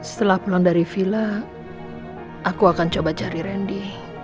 setelah pulang dari villa aku akan coba cari randy